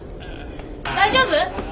大丈夫？